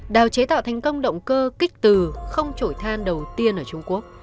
đào chế tạo thành công động cơ kích từ không trổi than đầu tiên ở trung quốc